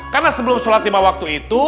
karena sebelum sholat lima waktu itu